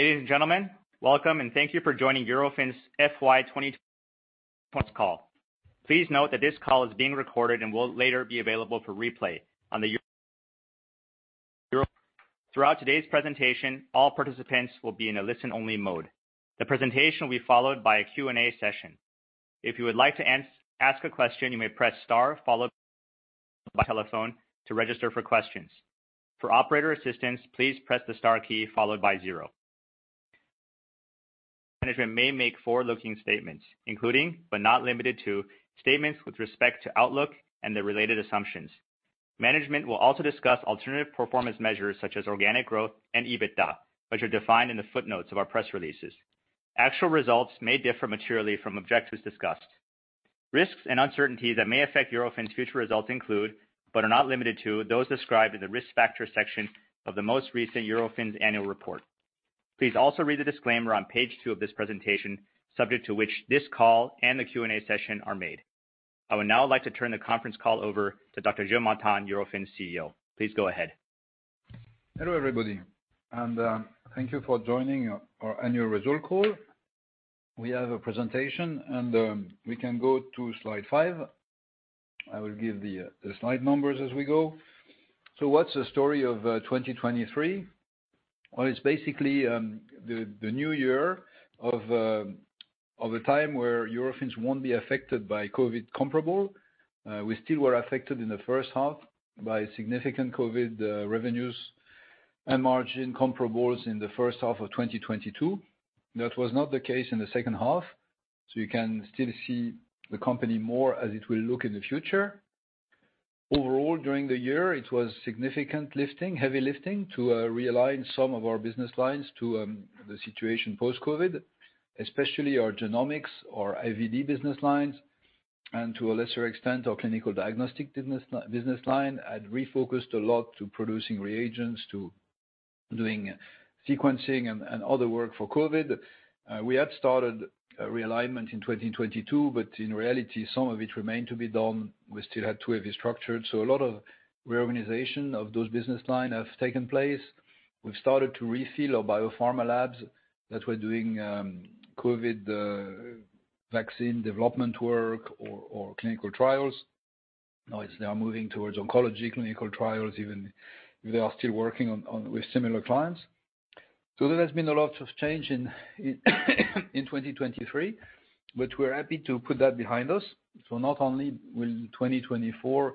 Ladies and gentlemen, welcome and thank you for joining Eurofins FY23 call. Please note that this call is being recorded and will later be available for replay on the Eurofins. Throughout today's presentation, all participants will be in a listen-only mode. The presentation will be followed by a Q&A session. If you would like to ask a question, you may press star followed by one to register for questions. For operator assistance, please press the star key followed by 0. Management may make forward-looking statements, including, but not limited to, statements with respect to Outlook and the related assumptions. Management will also discuss alternative performance measures such as organic growth and EBITDA, which are defined in the footnotes of our press releases. Actual results may differ materially from objectives discussed. Risks and uncertainties that may affect Eurofins' future results include, but are not limited to, those described in the risk factors section of the most recent Eurofins annual report. Please also read the disclaimer on page two of this presentation, subject to which this call and the Q&A session are made. I would now like to turn the conference call over to Dr. Gilles Martin, Eurofins CEO. Please go ahead. Hello everybody, and thank you for joining our annual results call. We have a presentation, and we can go to slide five. I will give the slide numbers as we go. So what's the story of 2023? Well, it's basically the new year of a time where Eurofins won't be affected by COVID comparable. We still were affected in the first half by significant COVID revenues and margin comparables in the first half of 2022. That was not the case in the second half, so you can still see the company more as it will look in the future. Overall, during the year, it was significant lifting, heavy lifting, to realign some of our business lines to the situation post-COVID, especially our genomics, our IVD business lines, and to a lesser extent our clinical diagnostic business line. I'd refocused a lot to producing reagents, to doing sequencing, and other work for COVID. We had started realignment in 2022, but in reality, some of it remained to be done. We still had to have restructured, so a lot of reorganization of those business lines has taken place. We've started to refill our biopharma labs. That's why we're doing COVID vaccine development work or clinical trials. Now, they are moving towards oncology clinical trials, even if they are still working with similar clients. There has been a lot of change in 2023, but we're happy to put that behind us. Not only will 2024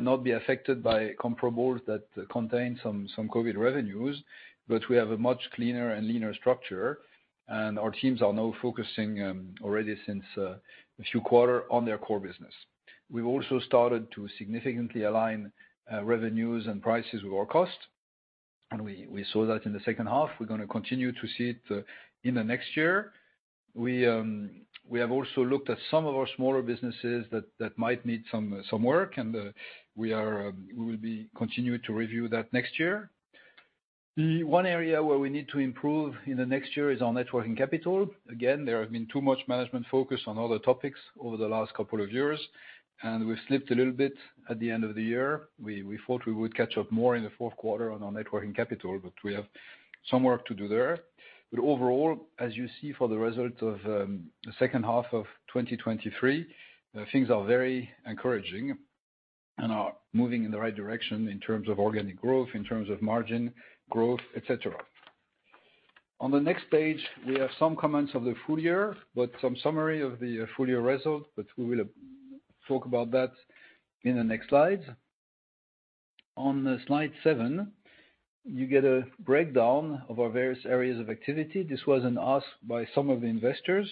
not be affected by comparables that contain some COVID revenues, but we have a much cleaner and leaner structure, and our teams are now focusing already since a few quarters on their core business. We've also started to significantly align revenues and prices with our cost, and we saw that in the second half. We're going to continue to see it in the next year. We have also looked at some of our smaller businesses that might need some work, and we will continue to review that next year. The one area where we need to improve in the next year is our net working capital. Again, there has been too much management focus on other topics over the last couple of years, and we've slipped a little bit at the end of the year. We thought we would catch up more in the fourth quarter on our net working capital, but we have some work to do there. But overall, as you see for the results of the second half of 2023, things are very encouraging and are moving in the right direction in terms of organic growth, in terms of margin growth, etc. On the next page, we have some comments of the full year, but some summary of the full year results, but we will talk about that in the next slides. On slide seven, you get a breakdown of our various areas of activity. This was an ask by some of the investors.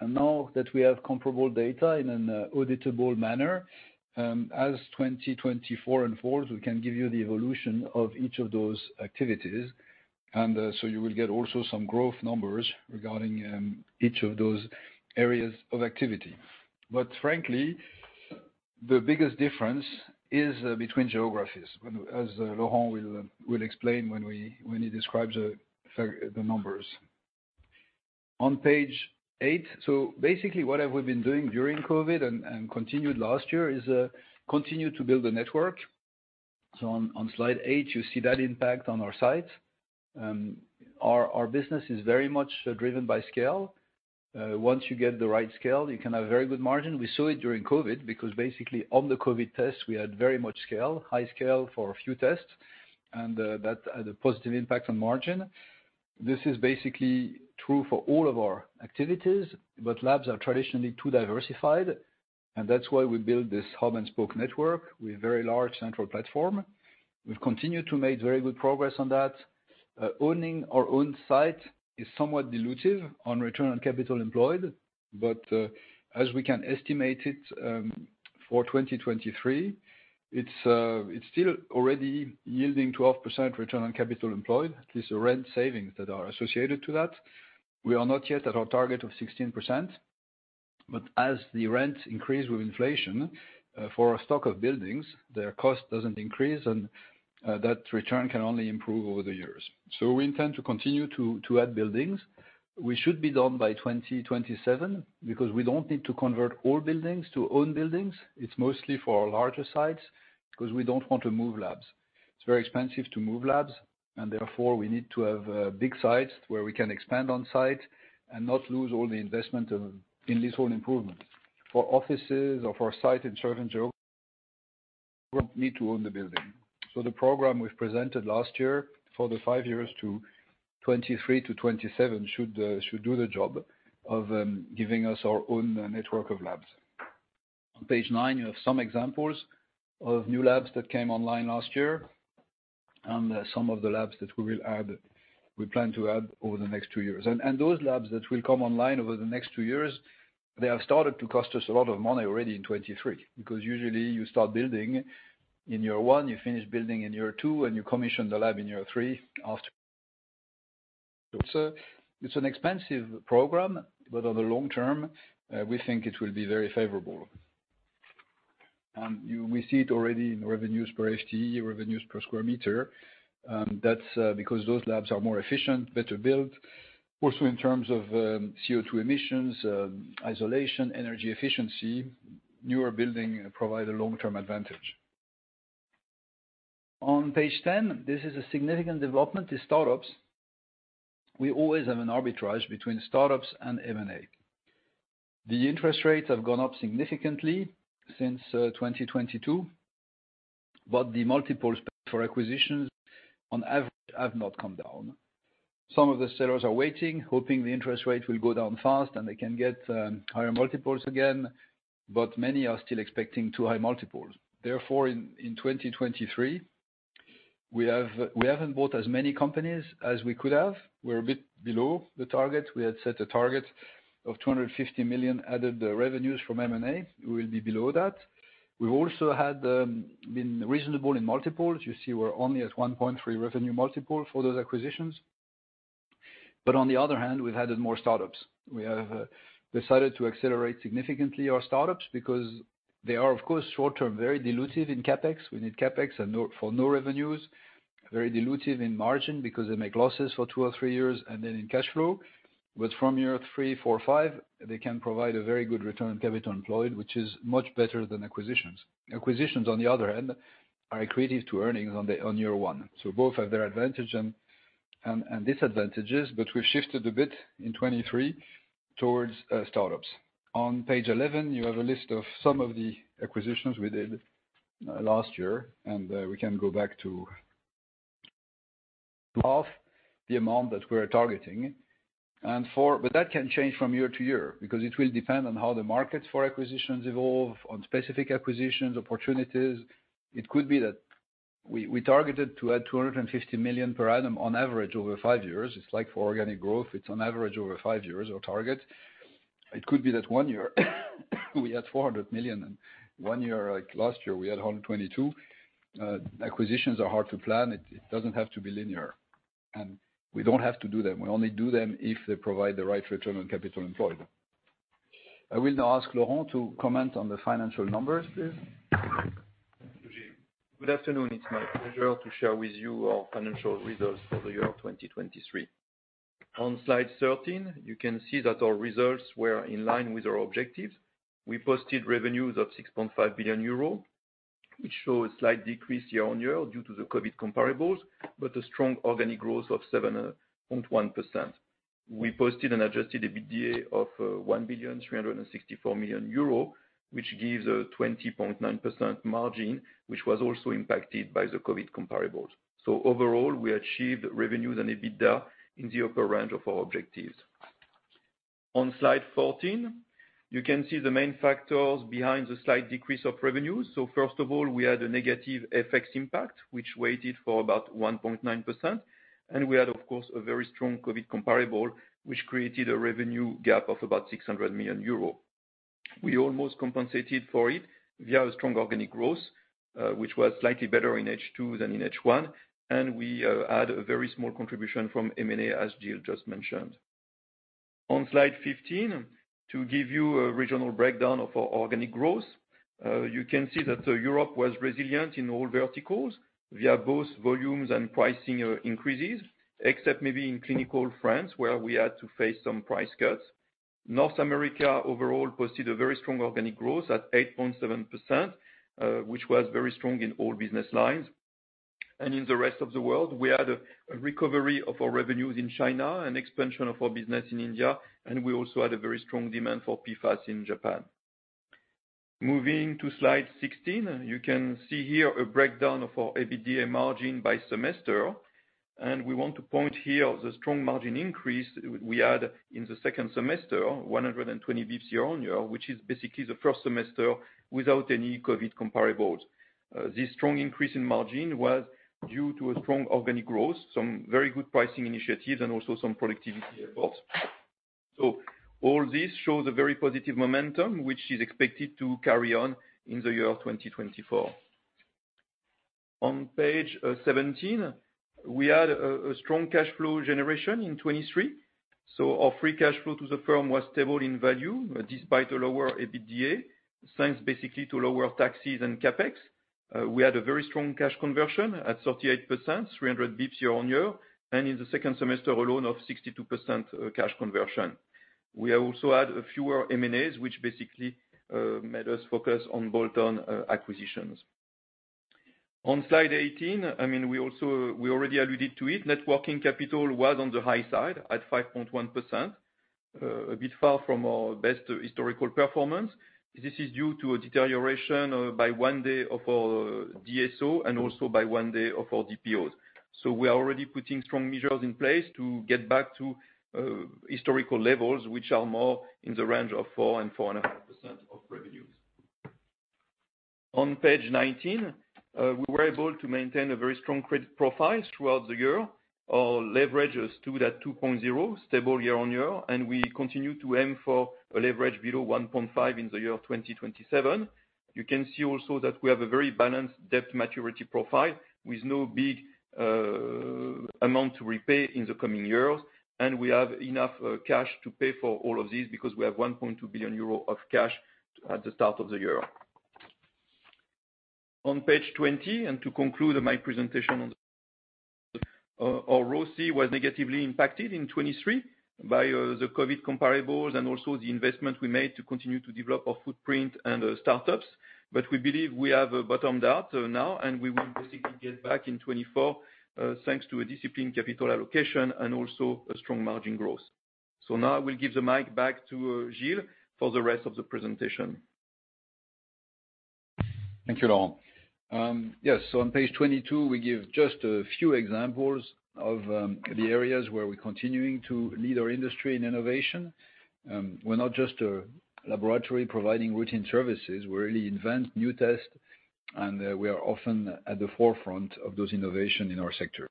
And now that we have comparable data in an auditable manner, as 2024 unfolds, we can give you the evolution of each of those activities, and so you will get also some growth numbers regarding each of those areas of activity. But frankly, the biggest difference is between geographies, as Laurent will explain when he describes the numbers. On page eigth, so basically what have we been doing during COVID and continued last year is continue to build a network. So on slide eight, you see that impact on our site. Our business is very much driven by scale. Once you get the right scale, you can have very good margin. We saw it during COVID because basically on the COVID test, we had very much scale, high scale for a few tests, and that had a positive impact on margin. This is basically true for all of our activities, but labs are traditionally too diversified, and that's why we built this hub-and-spoke network with a very large central platform. We've continued to make very good progress on that. Owning our own site is somewhat dilutive on Return on Capital Employed, but as we can estimate it for 2023, it's still already yielding 12% Return on Capital Employed, at least the rent savings that are associated with that. We are not yet at our target of 16%, but as the rents increase with inflation, for a stock of buildings, their cost doesn't increase, and that return can only improve over the years. So we intend to continue to add buildings. We should be done by 2027 because we don't need to convert all buildings to own buildings. It's mostly for our larger sites because we don't want to move labs. It's very expensive to move labs, and therefore we need to have big sites where we can expand on site and not lose all the investment in this whole improvement. For offices or for a site in certain geographies, we don't need to own the building. So the program we've presented last year for the five years to 2023 to 2027 should do the job of giving us our own network of labs. On page nine, you have some examples of new labs that came online last year and some of the labs that we will add, we plan to add over the next two years. And those labs that will come online over the next two years, they have started to cost us a lot of money already in 2023 because usually you start building in year one, you finish building in year two, and you commission the lab in year three after. So it's an expensive program, but on the long term, we think it will be very favorable. We see it already in revenues per FTE, revenues per sq m. That's because those labs are more efficient, better built. Also in terms of CO2 emissions, isolation, energy efficiency, newer buildings provide a long-term advantage. On page 10, this is a significant development: startups. We always have an arbitrage between startups and M&A. The interest rates have gone up significantly since 2022, but the multiples for acquisitions, on average, have not come down. Some of the sellers are waiting, hoping the interest rate will go down fast and they can get higher multiples again, but many are still expecting too high multiples. Therefore, in 2023, we haven't bought as many companies as we could have. We're a bit below the target. We had set a target of 250 million added revenues from M&A. We will be below that. We've also been reasonable in multiples. You see we're only at 1.3 revenue multiple for those acquisitions. But on the other hand, we've added more startups. We have decided to accelerate significantly our startups because they are, of course, short-term, very dilutive in CapEx. We need CapEx for no revenues, very dilutive in margin because they make losses for two or three years, and then in cash flow. But from year three, four, five they can provide a very good return on capital employed, which is much better than acquisitions. Acquisitions, on the other hand, are equivalent to earnings on year one. So both have their advantages and disadvantages, but we've shifted a bit in 2023 towards startups. On page 11, you have a list of some of the acquisitions we did last year, and we can go back to half the amount that we're targeting. That can change from year to year because it will depend on how the markets for acquisitions evolve, on specific acquisitions, opportunities. It could be that we targeted to add 250 million per annum on average over five years. It's like for organic growth, it's on average over five years our target. It could be that one year we add 400 million, and one year like last year, we add 122 million. Acquisitions are hard to plan. It doesn't have to be linear, and we don't have to do them. We only do them if they provide the right return on capital employed. I will now ask Laurent to comment on the financial numbers, please. Good afternoon. It's my pleasure to share with you our financial results for the year 2023. On slide 13, you can see that our results were in line with our objectives. We posted revenues of 6.5 billion euro, which show a slight decrease year-on-year due to the COVID comparables, but a strong organic growth of 7.1%. We posted an adjusted EBITDA of 1,364 million euro, which gives a 20.9% margin, which was also impacted by the COVID comparables. So overall, we achieved revenues and EBITDA in the upper range of our objectives. On slide 14, you can see the main factors behind the slight decrease of revenues. So first of all, we had a negative FX impact, which weighed for about 1.9%, and we had, of course, a very strong COVID comparable, which created a revenue gap of about 600 million euro. We almost compensated for it via a strong organic growth, which was slightly better in H2 than in H1, and we had a very small contribution from M&A, as Gilles just mentioned. On Slide 15, to give you a regional breakdown of our organic growth, you can see that Europe was resilient in all verticals via both volumes and pricing increases, except maybe in clinical France where we had to face some price cuts. North America overall posted a very strong organic growth at 8.7%, which was very strong in all business lines. And in the rest of the world, we had a recovery of our revenues in China and expansion of our business in India, and we also had a very strong demand for PFAS in Japan. Moving to slide 16, you can see here a breakdown of our EBITDA margin by semester, and we want to point here the strong margin increase we had in the second semester, 120 bps year-on-year, which is basically the first semester without any COVID comparables. This strong increase in margin was due to a strong organic growth, some very good pricing initiatives, and also some productivity efforts. So all this shows a very positive momentum, which is expected to carry on in the year 2024. On page 17, we had a strong cash flow generation in 2023. So our free cash flow to the firm was stable in value despite a lower EBITDA, thanks basically to lower taxes and CapEx. We had a very strong cash conversion at 38%, 300 bps year-on-year, and in the second semester alone of 62% cash conversion. We also had fewer M&As, which basically made us focus on bolt-on acquisitions. On slide 18, I mean, we already alluded to it. Net working capital was on the high side at 5.1%, a bit far from our best historical performance. This is due to a deterioration by one day of our DSO and also by one day of our DPO. So we are already putting strong measures in place to get back to historical levels, which are more in the range of four and 4.5% of revenues. On page 19, we were able to maintain a very strong credit profile throughout the year. Our leverage is 2.0, stable year-on-year, and we continue to aim for a leverage below 1.5 in the year 2027. You can see also that we have a very balanced debt maturity profile with no big amount to repay in the coming years, and we have enough cash to pay for all of these because we have 1.2 billion euro of cash at the start of the year. On page 20, to conclude my presentation, our ROCE was negatively impacted in 2023 by the COVID comparables and also the investment we made to continue to develop our footprint and startups, but we believe we have bottomed out now, and we will basically get back in 2024 thanks to a disciplined capital allocation and also a strong margin growth. Now I will give the mic back to Gilles for the rest of the presentation. Thank you, Laurent. Yes, so on page 22, we give just a few examples of the areas where we're continuing to lead our industry in innovation. We're not just a laboratory providing routine services. We really invent new tests, and we are often at the forefront of those innovations in our sector,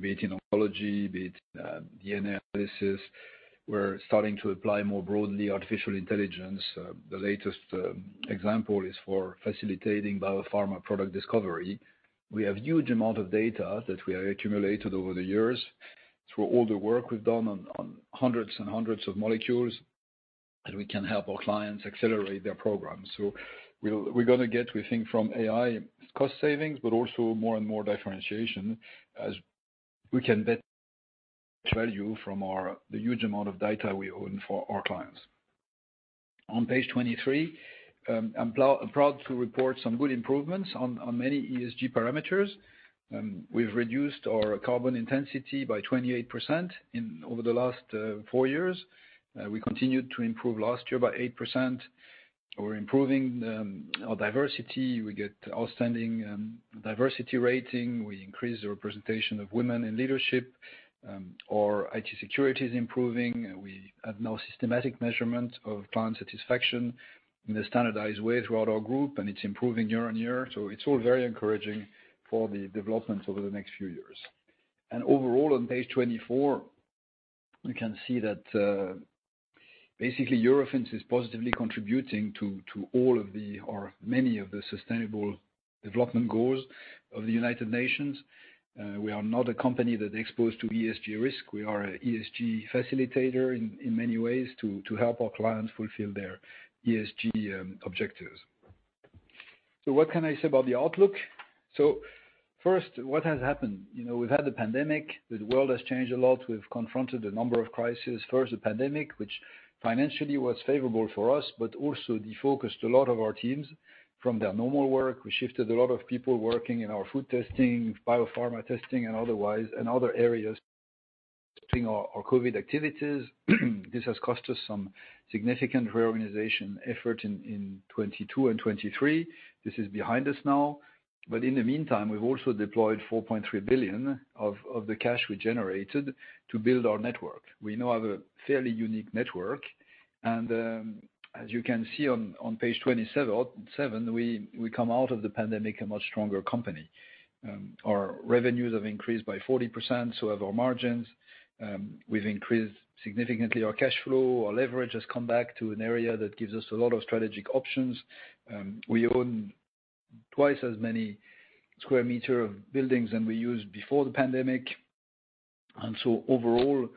be it in oncology, be it in DNA analysis. We're starting to apply more broadly artificial intelligence. The latest example is for facilitating biopharma product discovery. We have a huge amount of data that we have accumulated over the years through all the work we've done on hundreds and hundreds of molecules, and we can help our clients accelerate their programs. So we're going to get, we think, from AI cost savings, but also more and more differentiation as we can get value from the huge amount of data we own for our clients. On page 23, I'm proud to report some good improvements on many ESG parameters. We've reduced our carbon intensity by 28% over the last four years. We continued to improve last year by 8%. We're improving our diversity. We get outstanding diversity rating. We increase the representation of women in leadership. Our IT security is improving. We have now systematic measurements of client satisfaction in a standardized way throughout our group, and it's improving year on year. So it's all very encouraging for the development over the next few years. Overall, on page 24, you can see that basically Eurofins is positively contributing to all of the or many of the sustainable development goals of the United Nations. We are not a company that's exposed to ESG risk. We are an ESG facilitator in many ways to help our clients fulfill their ESG objectives. So what can I say about the outlook? So first, what has happened? We've had the pandemic. The world has changed a lot. We've confronted a number of crises. First, the pandemic, which financially was favorable for us, but also defocused a lot of our teams from their normal work. We shifted a lot of people working in our food testing, biopharma testing, and otherwise, and other areas doing our COVID activities. This has cost us some significant reorganization effort in 2022 and 2023. This is behind us now. But in the meantime, we've also deployed 4.3 billion of the cash we generated to build our network. We now have a fairly unique network. And as you can see on page 27, we come out of the pandemic a much stronger company. Our revenues have increased by 40%, so have our margins. We've increased significantly our cash flow. Our leverage has come back to an area that gives us a lot of strategic options. We own twice as many square meters of buildings than we used before the pandemic. And so overall,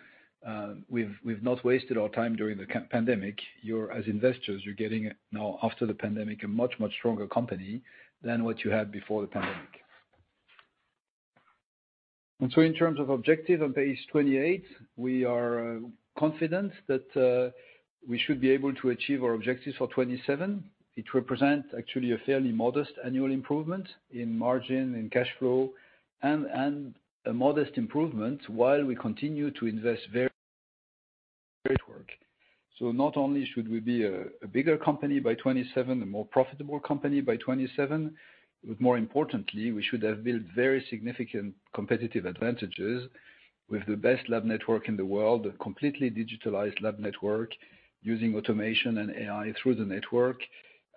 we've not wasted our time during the pandemic. As investors, you're getting now, after the pandemic, a much, much stronger company than what you had before the pandemic. And so in terms of objectives, on page 28, we are confident that we should be able to achieve our objectives for 2027. It represents actually a fairly modest annual improvement in margin, in cash flow, and a modest improvement while we continue to invest very hard at our network. So not only should we be a bigger company by 2027, a more profitable company by 2027, but more importantly, we should have built very significant competitive advantages with the best lab network in the world, a completely digitalized lab network using automation and AI through the network,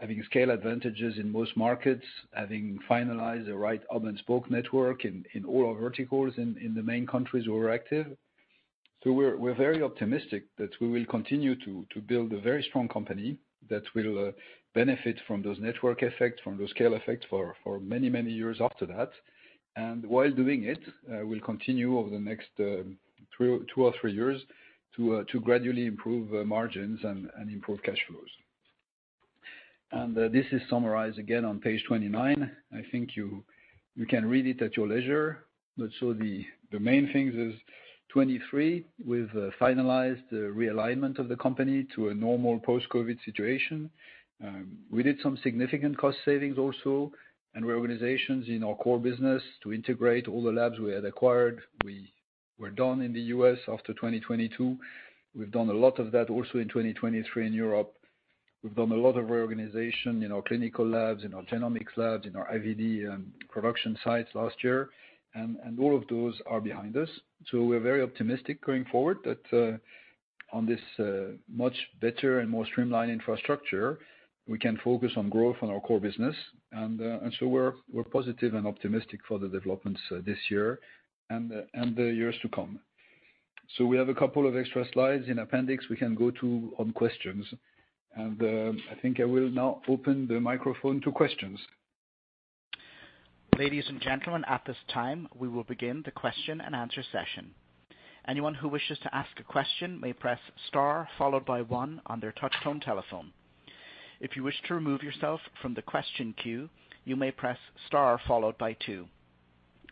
having scale advantages in most markets, having finalized the right hub-and-spoke network in all our verticals in the main countries we're active. So we're very optimistic that we will continue to build a very strong company that will benefit from those network effects, from those scale effects for many, many years after that. And while doing it, we'll continue over the next two or three years to gradually improve margins and improve cash flows. And this is summarized again on page 29. I think you can read it at your leisure. But the main things is 2023 with finalized realignment of the company to a normal post-COVID situation. We did some significant cost savings also and reorganizations in our core business to integrate all the labs we had acquired. We were done in the U.S. after 2022. We've done a lot of that also in 2023 in Europe. We've done a lot of reorganization in our clinical labs, in our genomics labs, in our IVD production sites last year, and all of those are behind us. So we're very optimistic going forward that on this much better and more streamlined infrastructure, we can focus on growth on our core business. And so we're positive and optimistic for the developments this year and the years to come. So we have a couple of extra slides in appendix we can go to on questions. I think I will now open the microphone to questions. Ladies and gentlemen, at this time, we will begin the question and answer session. Anyone who wishes to ask a question may press star followed by one on their touch-tone telephone. If you wish to remove yourself from the question queue, you may press star followed by two.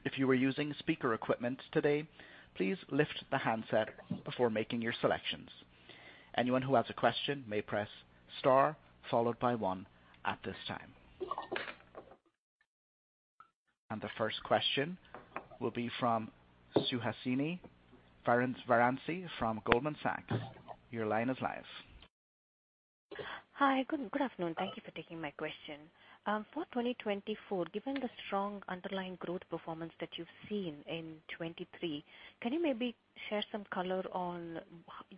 If you were using speaker equipment today, please lift the handset before making your selections. Anyone who has a question may press star followed by one at this time. The first question will be from Suhasini Varanasi from Goldman Sachs. Your line is live. Hi. Good afternoon. Thank you for taking my question. For 2024, given the strong underlying growth performance that you've seen in 2023, can you maybe share some color on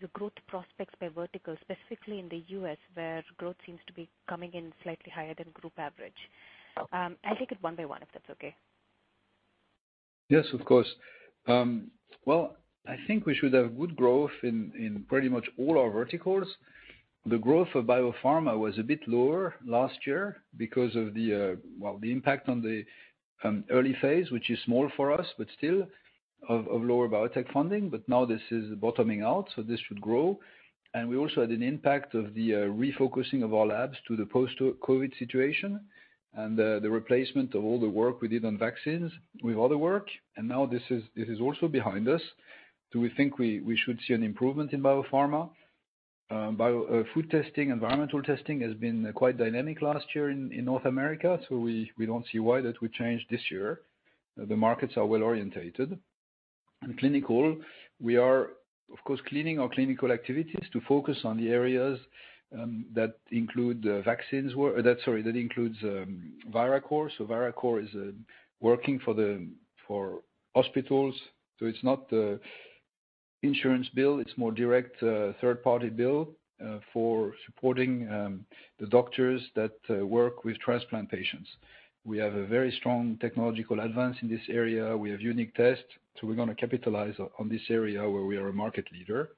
the growth prospects by vertical, specifically in the U.S., where growth seems to be coming in slightly higher than group average? I'll take it one by one if that's okay. Yes, of course. Well, I think we should have good growth in pretty much all our verticals. The growth of biopharma was a bit lower last year because of the, well, the impact on the early phase, which is small for us, but still, of lower biotech funding. But now this is bottoming out, so this should grow. And we also had an impact of the refocusing of our labs to the post-COVID situation and the replacement of all the work we did on vaccines with other work. And now this is also behind us. Do we think we should see an improvement in biopharma? Food testing, environmental testing has been quite dynamic last year in North America, so we don't see why that would change this year. The markets are well oriented. In clinical, we are, of course, cleaning our clinical activities to focus on the areas that includes Viracor. So Viracor is working for hospitals. So it's not the insurance bill. It's more direct third-party bill for supporting the doctors that work with transplant patients. We have a very strong technological advance in this area. We have unique tests. So we're going to capitalize on this area where we are a market leader.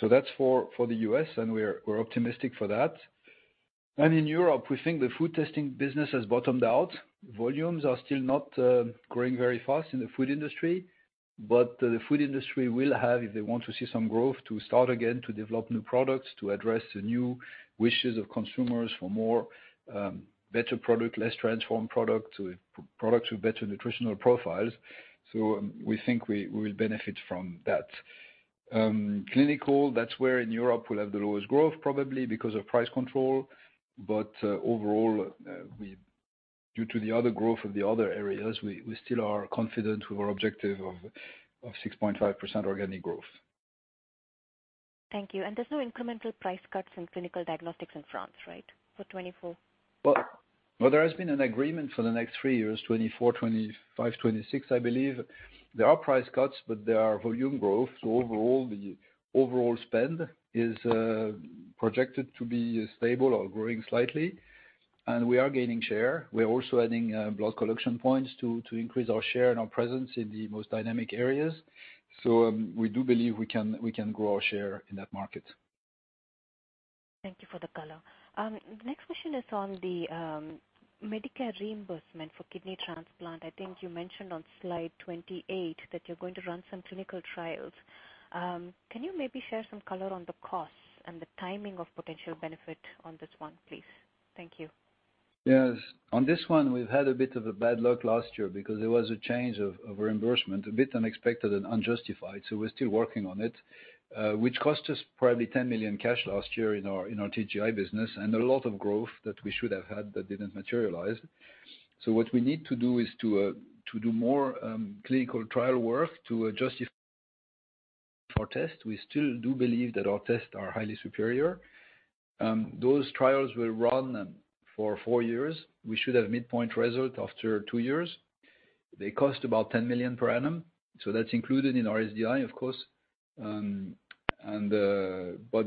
So that's for the U.S., and we're optimistic for that. And in Europe, we think the food testing business has bottomed out. Volumes are still not growing very fast in the food industry, but the food industry will have, if they want to see some growth, to start again to develop new products to address the new wishes of consumers for better product, less transformed product, products with better nutritional profiles. We think we will benefit from that. Clinical, that's where in Europe we'll have the lowest growth, probably because of price control. Overall, due to the other growth of the other areas, we still are confident with our objective of 6.5% organic growth. Thank you. There's no incremental price cuts in clinical diagnostics in France, right, for 2024? Well, there has been an agreement for the next three years, 2024, 2025, 2026, I believe. There are price cuts, but there are volume growths. Overall, the overall spend is projected to be stable or growing slightly. We are gaining share. We're also adding blood collection points to increase our share and our presence in the most dynamic areas. We do believe we can grow our share in that market. Thank you for the color. The next question is on the Medicare reimbursement for kidney transplant. I think you mentioned on slide 28 that you're going to run some clinical trials. Can you maybe share some color on the costs and the timing of potential benefit on this one, please? Thank you. Yes. On this one, we've had a bit of a bad luck last year because there was a change of reimbursement, a bit unexpected and unjustified. So we're still working on it, which cost us probably $10 million cash last year in our TGI business and a lot of growth that we should have had that didn't materialize. So what we need to do is to do more clinical trial work to justify our tests. We still do believe that our tests are highly superior. Those trials were run for four years. We should have midpoint results after two years. They cost about $10 million per annum. So that's included in our SDI, of course. But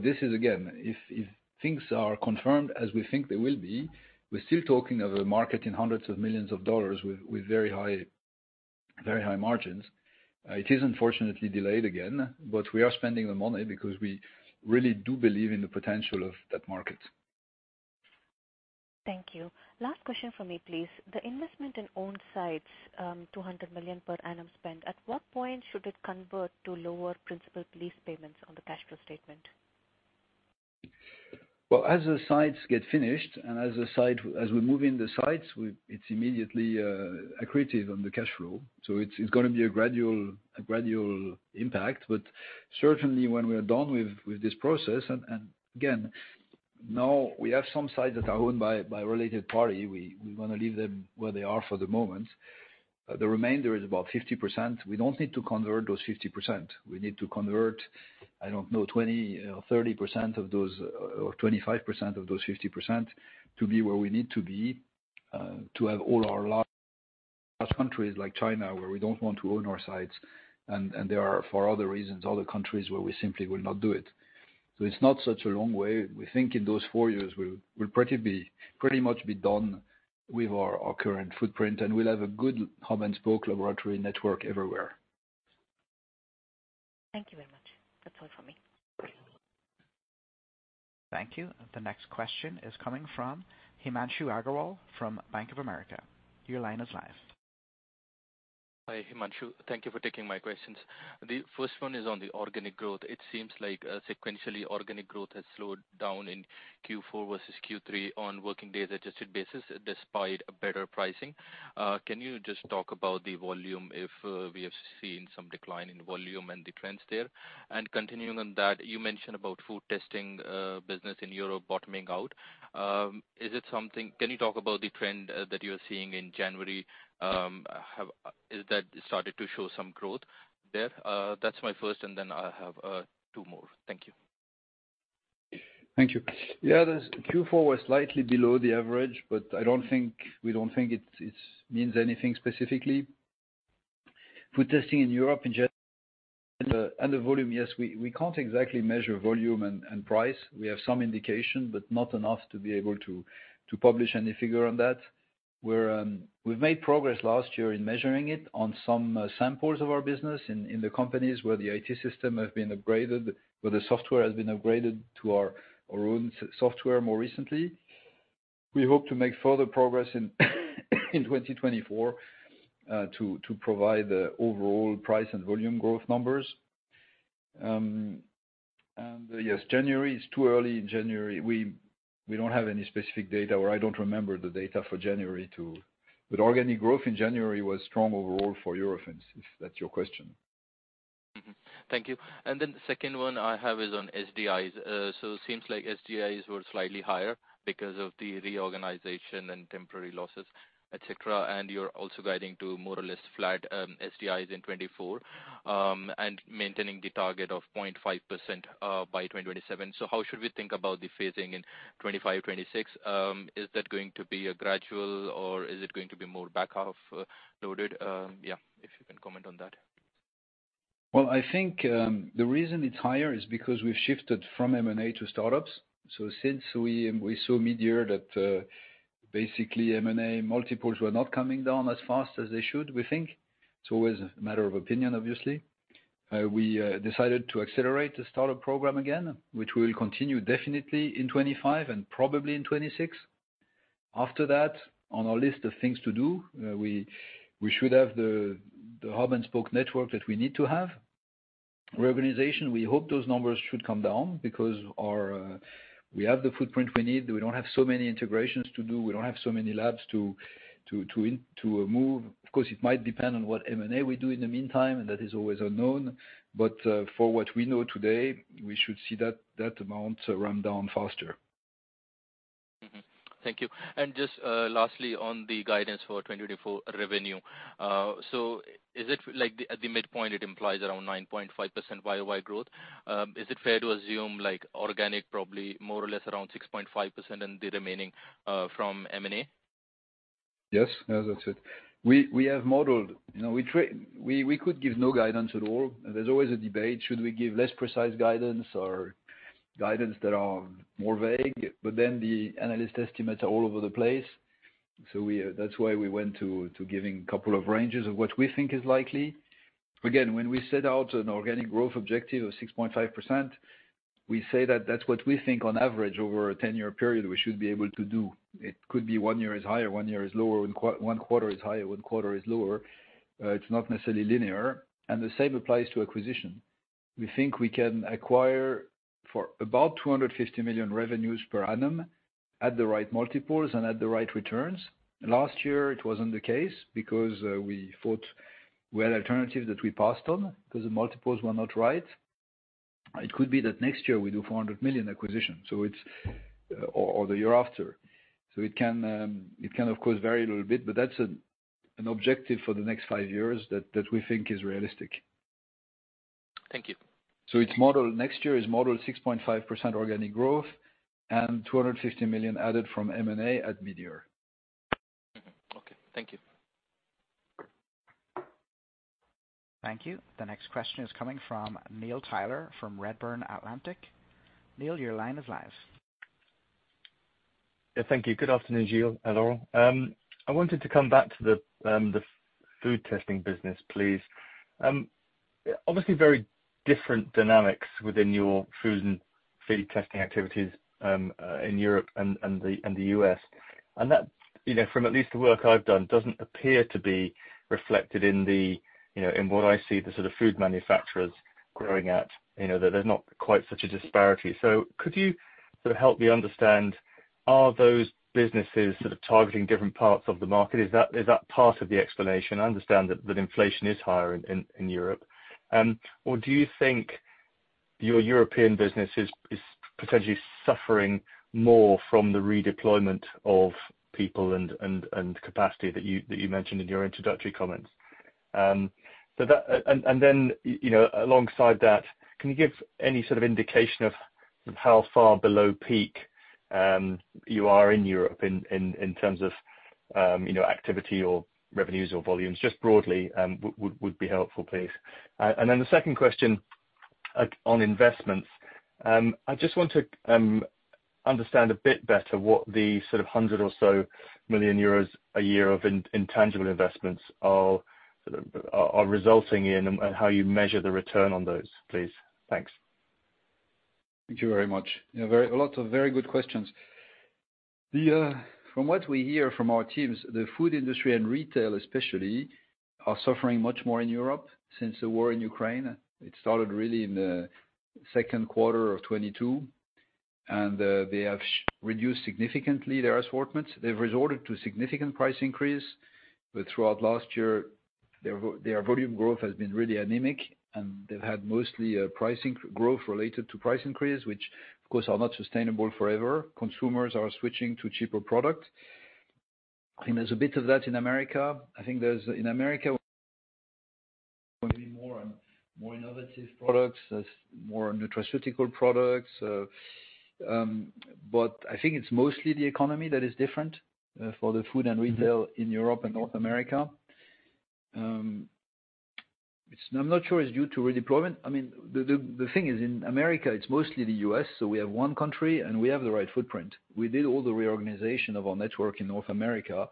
this is, again, if things are confirmed as we think they will be, we're still talking of a market in hundreds of millions of dollars with very high margins. It is unfortunately delayed again, but we are spending the money because we really do believe in the potential of that market. Thank you. Last question for me, please. The investment in owned sites, 200 million per annum spent, at what point should it convert to lower principal lease payments on the cash flow statement? Well, as the sites get finished and as we move in the sites, it's immediately accretive on the cash flow. So it's going to be a gradual impact. But certainly, when we are done with this process and again, now we have some sites that are owned by a related party. We're going to leave them where they are for the moment. The remainder is about 50%. We don't need to convert those 50%. We need to convert, I don't know, 20 or 30% of those or 25% of those 50% to be where we need to be to have all our large countries like China where we don't want to own our sites. And there are, for other reasons, other countries where we simply will not do it. So it's not such a long way. We think in those four years, we'll pretty much be done with our current footprint, and we'll have a good hub-and-spoke laboratory network everywhere. Thank you very much. That's all for me. Thank you. The next question is coming from Himanshu Agarwal from Bank of America. Your line is live. Hi, Himanshu. Thank you for taking my questions. The first one is on the organic growth. It seems like sequentially organic growth has slowed down in Q4 versus Q3 on working days-adjusted basis despite better pricing. Can you just talk about the volume if we have seen some decline in volume and the trends there? And continuing on that, you mentioned about food testing business in Europe bottoming out. Is it something can you talk about the trend that you're seeing in January? Is that started to show some growth there? That's my first, and then I have two more. Thank you. Thank you. Yeah, Q4 was slightly below the average, but I don't think it means anything specifically. Food testing in Europe in general and the volume, yes, we can't exactly measure volume and price. We have some indication, but not enough to be able to publish any figure on that. We've made progress last year in measuring it on some samples of our business in the companies where the IT system has been upgraded, where the software has been upgraded to our own software more recently. We hope to make further progress in 2024 to provide overall price and volume growth numbers. And yes, January is too early in January. We don't have any specific data, or I don't remember the data for January. But organic growth in January was strong overall for Europe, if that's your question. Thank you. Then the second one I have is on SDIs. So it seems like SDIs were slightly higher because of the reorganization and temporary losses, etc. And you're also guiding to more or less flat SDIs in 2024 and maintaining the target of 0.5% by 2027. So how should we think about the phasing in 2025, 2026? Is that going to be a gradual, or is it going to be more back-off loaded? Yeah, if you can comment on that. Well, I think the reason it's higher is because we've shifted from M&A to startups. So since we saw midyear that basically M&A multiples were not coming down as fast as they should, we think it's always a matter of opinion, obviously, we decided to accelerate the startup program again, which we will continue definitely in 2025 and probably in 2026. After that, on our list of things to do, we should have the hub-and-spoke network that we need to have. Reorganization, we hope those numbers should come down because we have the footprint we need. We don't have so many integrations to do. We don't have so many labs to move. Of course, it might depend on what M&A we do in the meantime, and that is always unknown. But for what we know today, we should see that amount ramp down faster. Thank you. And just lastly, on the guidance for 2024 revenue, so is it at the midpoint? It implies around 9.5% FY growth. Is it fair to assume organic probably more or less around 6.5% and the remaining from M&A? Yes. Yes, that's it. We have modeled. We could give no guidance at all. There's always a debate. Should we give less precise guidance or guidance that are more vague? But then the analyst estimates are all over the place. So that's why we went to giving a couple of ranges of what we think is likely. Again, when we set out an organic growth objective of 6.5%, we say that that's what we think on average over a 10-year period we should be able to do. It could be one year is higher, one year is lower, one quarter is higher, one quarter is lower. It's not necessarily linear. And the same applies to acquisition. We think we can acquire for about 250 million revenues per annum at the right multiples and at the right returns. Last year, it wasn't the case because we had alternatives that we passed on because the multiples were not right. It could be that next year we do 400 million acquisition or the year after. It can, of course, vary a little bit, but that's an objective for the next five years that we think is realistic. Thank you. Next year is modeled 6.5% organic growth and 250 million added from M&A at midyear. Okay. Thank you. Thank you. The next question is coming from Neil Tyler from Redburn Atlantic. Neil, your line is live. Yeah, thank you. Good afternoon, Gilles. Hello. I wanted to come back to the food testing business, please. Obviously, very different dynamics within your food and feed testing activities in Europe and the U.S. And from at least the work I've done, it doesn't appear to be reflected in what I see the sort of food manufacturers growing at. There's not quite such a disparity. So could you sort of help me understand, are those businesses sort of targeting different parts of the market? Is that part of the explanation? I understand that inflation is higher in Europe. Or do you think your European business is potentially suffering more from the redeployment of people and capacity that you mentioned in your introductory comments? Then alongside that, can you give any sort of indication of how far below peak you are in Europe in terms of activity or revenues or volumes? Just broadly would be helpful, please. And then the second question on investments, I just want to understand a bit better what the sort of 100 million or so a year of intangible investments are resulting in and how you measure the return on those, please. Thanks. Thank you very much. A lot of very good questions. From what we hear from our teams, the food industry and retail especially are suffering much more in Europe since the war in Ukraine. It started really in the second quarter of 2022, and they have reduced significantly their assortments. They've resorted to significant price increase. But throughout last year, their volume growth has been really anemic, and they've had mostly growth related to price increases, which, of course, are not sustainable forever. Consumers are switching to cheaper products. And there's a bit of that in America. I think in America, we're going to be more innovative products, more nutraceutical products. But I think it's mostly the economy that is different for the food and retail in Europe and North America. I'm not sure it's due to redeployment. I mean, the thing is, in America, it's mostly the US. So we have one country, and we have the right footprint. We did all the reorganization of our network in North America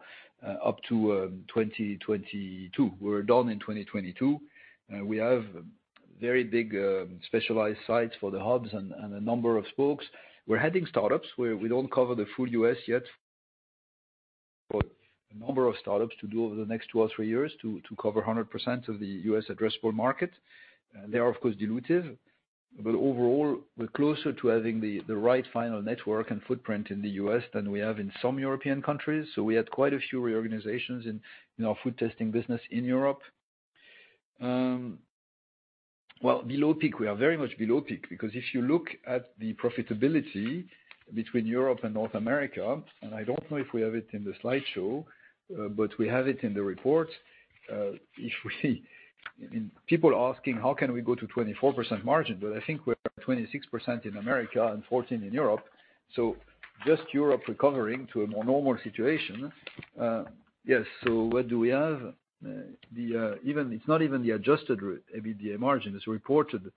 up to 2022. We were done in 2022. We have very big specialized sites for the hubs and a number of spokes. We're heading startups. We don't cover the full U.S. yet. We've got a number of startups to do over the next two or three years to cover 100% of the U.S. addressable market. They are, of course, dilutive. But overall, we're closer to having the right final network and footprint in the U.S. than we have in some European countries. So we had quite a few reorganizations in our food testing business in Europe. Well, below peak, we are very much below peak because if you look at the profitability between Europe and North America and I don't know if we have it in the slideshow, but we have it in the reports. I mean, people are asking, "How can we go to 24% margin?" But I think we're at 26% in America and 14% in Europe. So just Europe recovering to a more normal situation. Yes. So what do we have? It's not even the adjusted EBITDA margin. It's reported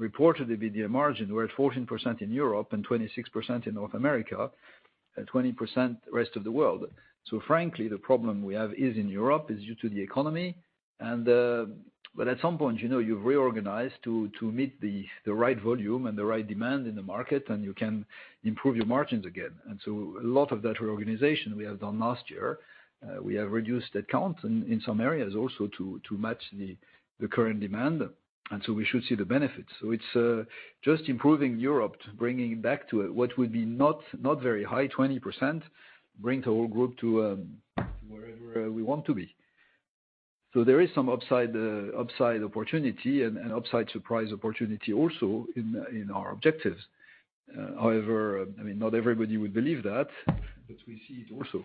EBITDA margin. We're at 14% in Europe and 26% in North America, 20% rest of the world. So frankly, the problem we have is in Europe is due to the economy. But at some point, you've reorganized to meet the right volume and the right demand in the market, and you can improve your margins again. And so a lot of that reorganization we have done last year. We have reduced headcount in some areas also to match the current demand. And so we should see the benefits. So it's just improving Europe, bringing it back to what would be not very high, 20%, bring the whole group to wherever we want to be. So there is some upside opportunity and upside surprise opportunity also in our objectives. However, I mean, not everybody would believe that, but we see it also.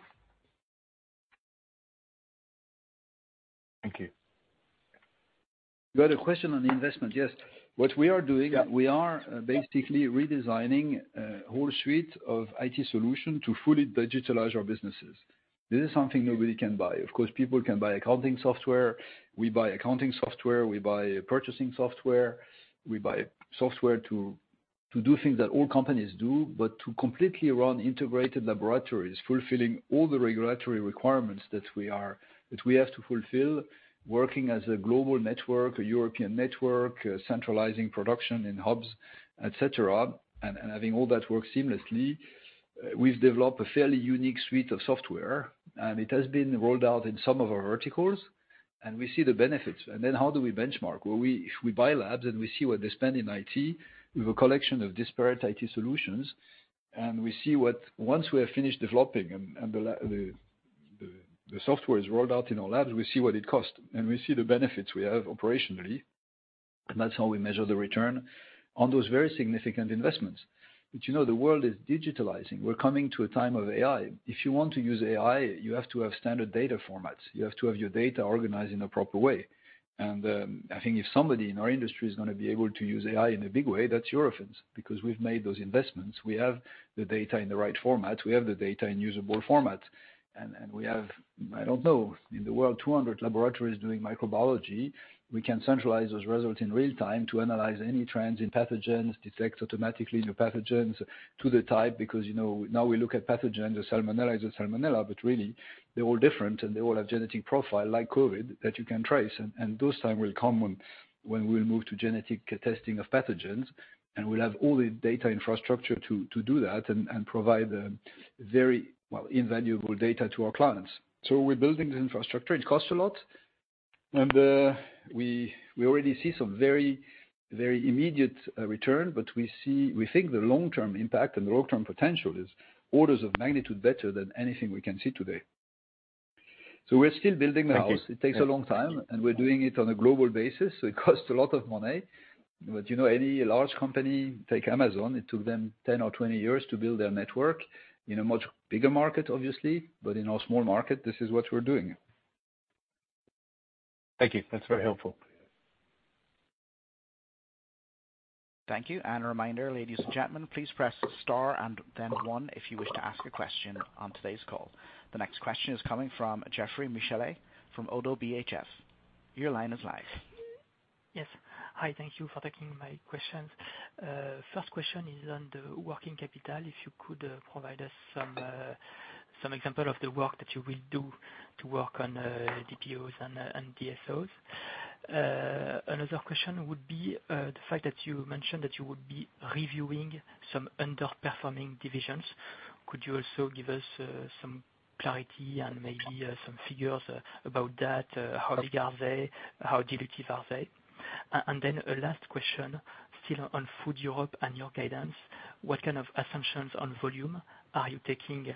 Thank you. You had a question on investment. Yes. What we are doing, we are basically redesigning a whole suite of IT solutions to fully digitalize our businesses. This is something nobody can buy. Of course, people can buy accounting software. We buy accounting software. We buy purchasing software. We buy software to do things that all companies do, but to completely run integrated laboratories, fulfilling all the regulatory requirements that we have to fulfill, working as a global network, a European network, centralizing production in hubs, etc., and having all that work seamlessly. We've developed a fairly unique suite of software, and it has been rolled out in some of our verticals, and we see the benefits. And then how do we benchmark? Well, if we buy labs and we see what they spend in IT with a collection of disparate IT solutions, and we see what once we have finished developing and the software is rolled out in our labs, we see what it costs, and we see the benefits we have operationally. And that's how we measure the return on those very significant investments. But the world is digitizing. We're coming to a time of AI. If you want to use AI, you have to have standard data formats. You have to have your data organized in a proper way. And I think if somebody in our industry is going to be able to use AI in a big way, that's Eurofins because we've made those investments. We have the data in the right format. We have the data in usable formats. And we have, I don't know, in the world, 200 laboratories doing microbiology. We can centralize those results in real time to analyze any trends in pathogens, detect automatically new pathogens to the type because now we look at pathogens, the Salmonella is the Salmonella, but really, they're all different, and they all have genetic profile like COVID that you can trace. And those times will come when we will move to genetic testing of pathogens, and we'll have all the data infrastructure to do that and provide very invaluable data to our clients. So we're building this infrastructure. It costs a lot. And we already see some very, very immediate return, but we think the long-term impact and the long-term potential is orders of magnitude better than anything we can see today. So we're still building the house. It takes a long time, and we're doing it on a global basis. So it costs a lot of money. But any large company, take Amazon, it took them 10 or 20 years to build their network in a much bigger market, obviously. But in our small market, this is what we're doing. Thank you. That's very helpful. Thank you. And a reminder, ladies and gentlemen, please press star and then one if you wish to ask a question on today's call. The next question is coming from Geoffroy Michalet from Oddo BHF. Your line is live. Yes. Hi. Thank you for taking my questions. First question is on the working capital. If you could provide us some example of the work that you will do to work on DPOs and DSOs? Another question would be the fact that you mentioned that you would be reviewing some underperforming divisions. Could you also give us some clarity and maybe some figures about that? How big are they? How dilutive are they? And then a last question, still on Food Europe and your guidance, what kind of assumptions on volume are you taking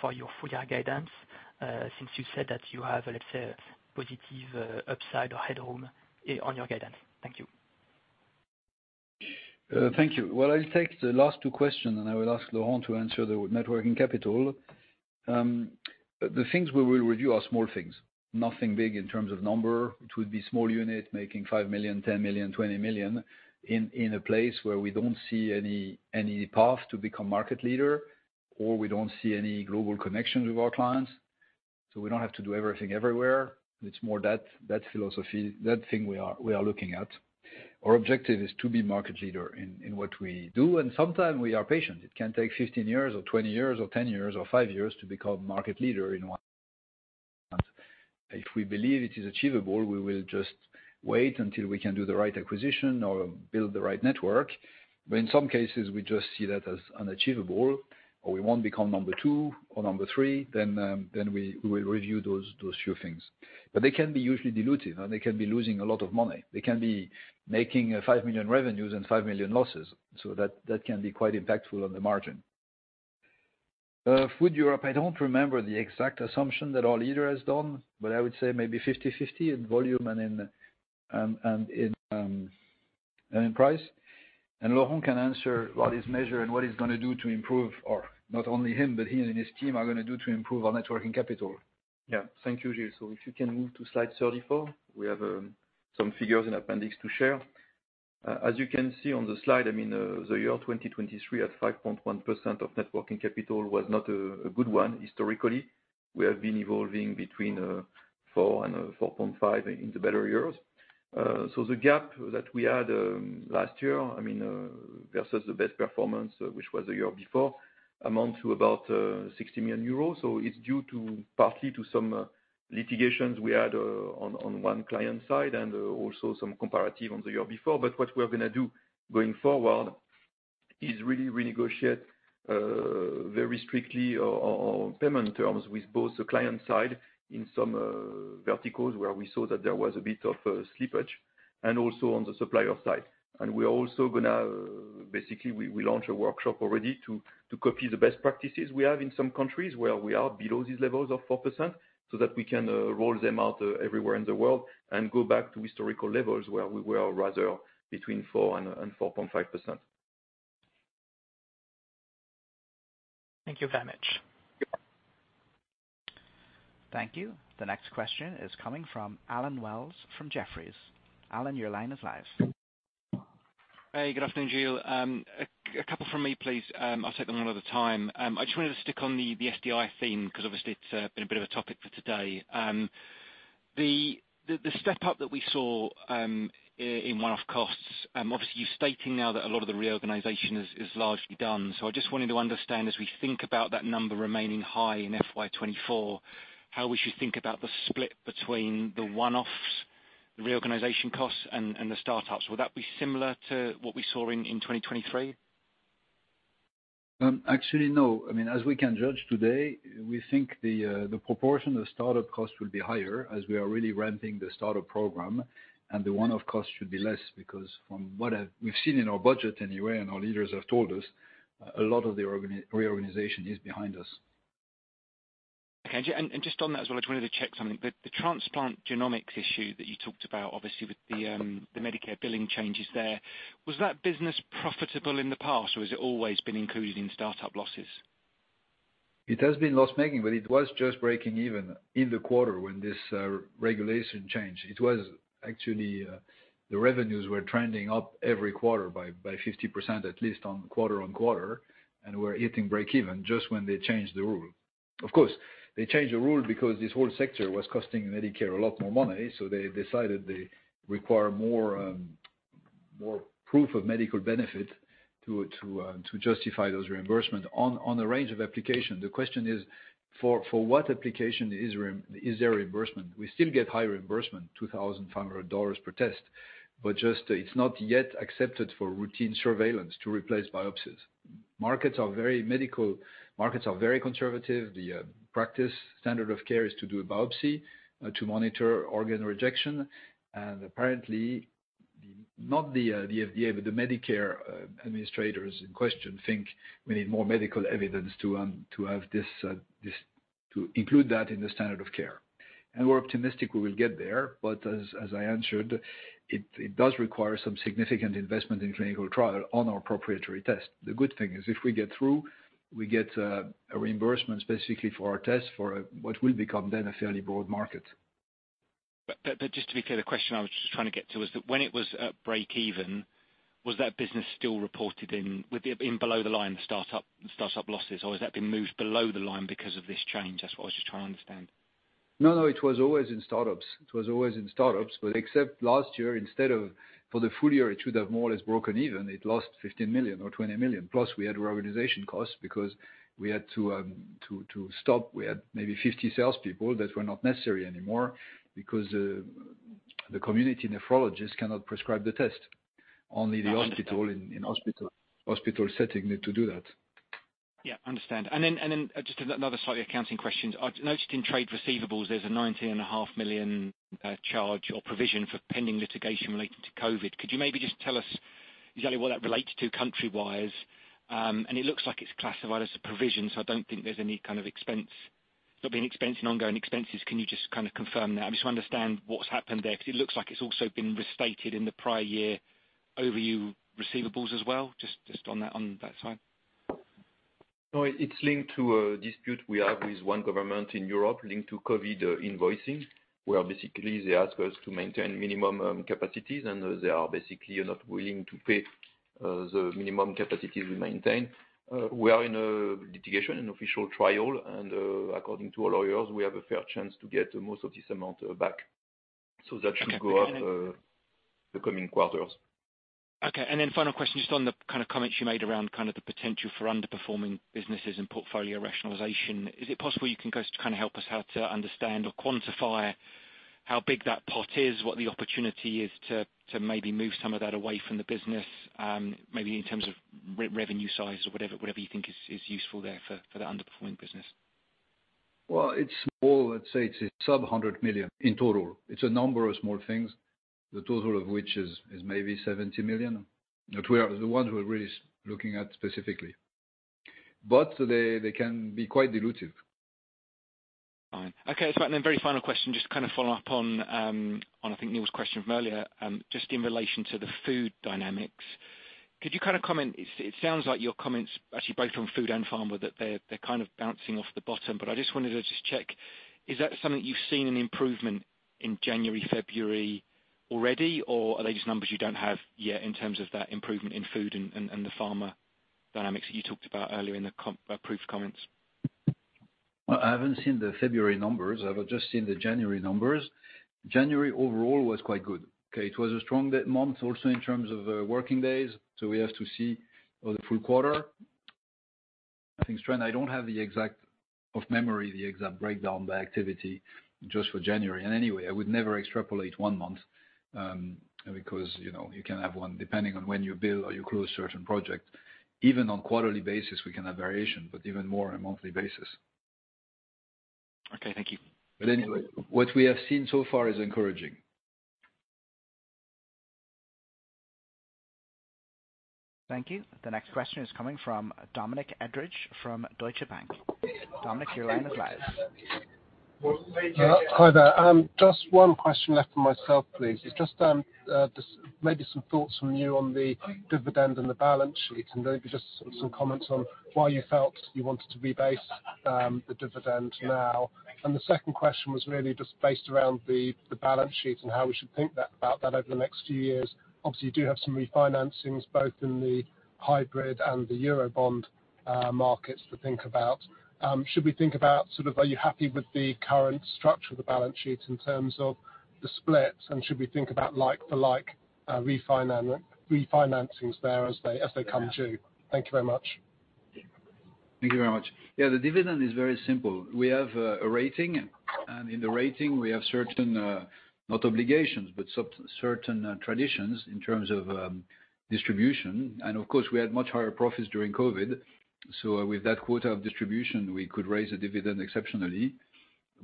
for your full-year guidance since you said that you have, let's say, a positive upside or headroom on your guidance? Thank you. Thank you. Well, I'll take the last two questions, and I will ask Laurent to answer the net working capital. The things we will review are small things, nothing big in terms of number. It would be small unit making 5 million, 10 million, 20 million in a place where we don't see any path to become market leader, or we don't see any global connections with our clients. So we don't have to do everything everywhere. It's more that philosophy, that thing we are looking at. Our objective is to be market leader in what we do. Sometimes we are patient. It can take 15 years or 20 years or 10 years or five years to become market leader in one month. If we believe it is achievable, we will just wait until we can do the right acquisition or build the right network. But in some cases, we just see that as unachievable, or we won't become number two or number three, then we will review those few things. But they can be usually dilutive, and they can be losing a lot of money. They can be making 5 million revenues and 5 million losses. So that can be quite impactful on the margin. Food Europe, I don't remember the exact assumption that our leader has done, but I would say maybe 50/50 in volume and in price. And Laurent can answer what is measured and what he's going to do to improve or not only him, but he and his team are going to do to improve our net working capital. Yeah. Thank you, Gilles. So if you can move to slide 34, we have some figures in appendix to share. As you can see on the slide, I mean, the year 2023 at 5.1% of net working capital was not a good one historically. We have been evolving between 4%-4.5% in the better years. So the gap that we had last year, I mean, versus the best performance, which was the year before, amount to about 60 million euros. So it's due partly to some litigations we had on one client side and also some comparative on the year before. But what we're going to do going forward is really renegotiate very strictly on payment terms with both the client side in some verticals where we saw that there was a bit of slippage and also on the supplier side. And we're also going to basically, we launch a workshop already to copy the best practices we have in some countries where we are below these levels of 4% so that we can roll them out everywhere in the world and go back to historical levels where we were rather between 4%-4.5%. Thank you very much. Thank you. The next question is coming from Allen Wells from Jefferies. Alan, your line is live. Hey. Good afternoon, Gilles. A couple from me, please. I'll take them one at a time. I just wanted to stick on the SDI theme because obviously, it's been a bit of a topic for today. The step-up that we saw in one-off costs, obviously, you're stating now that a lot of the reorganization is largely done. So I just wanted to understand, as we think about that number remaining high in FY2024, how we should think about the split between the one-offs, the reorganization costs, and the startups. Would that be similar to what we saw in 2023? Actually, no. I mean, as we can judge today, we think the proportion of startup costs will be higher as we are really ramping the startup program, and the one-off costs should be less because from what we've seen in our budget anyway, and our leaders have told us, a lot of the reorganization is behind us. Okay. And just on that as well, I just wanted to check something. The Transplant Genomics issue that you talked about, obviously, with the Medicare billing changes there, was that business profitable in the past, or has it always been included in startup losses? It has been loss-making, but it was just breaking even in the quarter when this regulation changed. It was actually the revenues were trending up every quarter by 50% at least on quarter-over-quarter, and we're hitting break-even just when they changed the rule. Of course, they changed the rule because this whole sector was costing Medicare a lot more money. So they decided they require more proof of medical benefit to justify those reimbursements on a range of applications. The question is, for what application is there reimbursement? We still get high reimbursement, $2,500 per test, but just it's not yet accepted for routine surveillance to replace biopsies. Markets are very medical. Markets are very conservative. The practice standard of care is to do a biopsy to monitor organ rejection. Apparently, not the FDA, but the Medicare administrators in question think we need more medical evidence to include that in the standard of care. We're optimistic we will get there. As I answered, it does require some significant investment in clinical trial on our proprietary tests. The good thing is if we get through, we get a reimbursement specifically for our tests for what will become then a fairly broad market. Just to be clear, the question I was just trying to get to was that when it was at break-even, was that business still reported in below the line, the startup losses, or has that been moved below the line because of this change? That's what I was just trying to understand. No, no. It was always in startups. It was always in startups. But except last year, instead of for the full year, it should have more or less broken even. It lost 15 million or 20 million. Plus, we had reorganization costs because we had to stop. We had maybe 50 salespeople that were not necessary anymore because the community nephrologist cannot prescribe the test. Only the hospital in hospital setting need to do that. Yeah. Understand. And then just another slightly accounting question. I noticed in trade receivables, there's a 19.5 million charge or provision for pending litigation relating to COVID. Could you maybe just tell us exactly what that relates to countrywise? And it looks like it's classified as a provision, so I don't think there's any kind of expense; there's not been an expense in ongoing expenses. Can you just kind of confirm that? I just want to understand what's happened there because it looks like it's also been restated in the prior year overall receivables as well, just on that side. No, it's linked to a dispute we have with one government in Europe linked to COVID invoicing where basically, they ask us to maintain minimum capacities, and they are basically not willing to pay the minimum capacities we maintain. We are in a litigation, an official trial, and according to all lawyers, we have a fair chance to get most of this amount back. So that should go up the coming quarters. Okay. And then final question, just on the kind of comments you made around kind of the potential for underperforming businesses and portfolio rationalization. Is it possible you can go to kind of help us how to understand or quantify how big that pot is, what the opportunity is to maybe move some of that away from the business, maybe in terms of revenue size or whatever you think is useful there for the underperforming business? Well, it's small. Let's say it's sub-EUR 100 million in total. It's a number of small things, the total of which is maybe 70 million. But we are the ones who are really looking at specifically. But they can be quite dilutive. Fine. Okay. And then very final question, just kind of following up on, I think, Neil's question from earlier, just in relation to the food dynamics. Could you kind of comment? It sounds like your comments, actually both on food and pharma, that they're kind of bouncing off the bottom. But I just wanted to just check, is that something you've seen an improvement in January, February already, or are they just numbers you don't have yet in terms of that improvement in food and the pharma dynamics that you talked about earlier in the approved comments? Well, I haven't seen the February numbers. I've just seen the January numbers. January, overall, was quite good. Okay? It was a strong month also in terms of working days. So we have to see for the full quarter. I think, Stijn, I don't have the exact from memory, the exact breakdown by activity just for January. And anyway, I would never extrapolate one month because you can have one depending on when you bill or you close certain projects. Even on quarterly basis, we can have variation, but even more on a monthly basis. Okay. Thank you. Anyway, what we have seen so far is encouraging. Thank you. The next question is coming from Dominic Edridge from Deutsche Bank. Dominic, your line is live. Hi there. Just one question left for myself, please. It's just maybe some thoughts from you on the dividend and the balance sheet, and maybe just some comments on why you felt you wanted to rebase the dividend now. And the second question was really just based around the balance sheet and how we should think about that over the next few years. Obviously, you do have some refinancings both in the hybrid and the Eurobond markets to think about. Should we think about sort of are you happy with the current structure of the balance sheet in terms of the splits, and should we think about like-for-like refinancings there as they come due? Thank you very much. Thank you very much. Yeah. The dividend is very simple. We have a rating, and in the rating, we have certain not obligations, but certain traditions in terms of distribution. And of course, we had much higher profits during COVID. So with that quota of distribution, we could raise the dividend exceptionally.